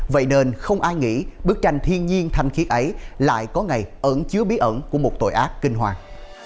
vậy nên không ai nghĩ bức tranh thiên nhiên thanh khiết ấy lại có ngày ẩn chứa bí ẩn của một tội ác kinh hoàng